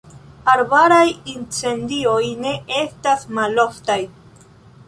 Arbaraj incendioj ne estas maloftaj.